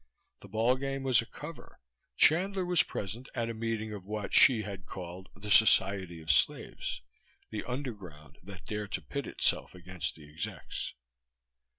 The ball game was a cover. Chandler was present at a meeting of what Hsi had called The Society of Slaves, the underground that dared to pit itself against the execs.